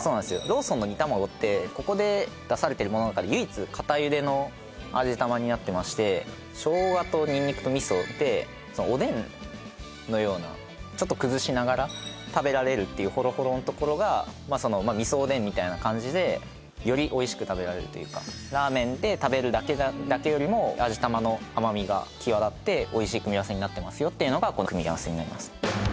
ローソンの煮たまごってここで出されてるものの中で唯一固茹での味玉になってまして生姜とニンニクと味噌でおでんのようなちょっと崩しながら食べられるっていうホロホロのところが味噌おでんみたいな感じでよりおいしく食べられるというかラーメンで食べるだけよりも味玉の甘みが際立っておいしい組み合わせになってますよっていうのがこの組み合わせになります